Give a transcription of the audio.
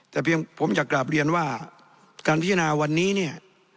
แต่เพียงผมอยากกลับเรียนว่าการพิจารณาวันนี้เนี่ย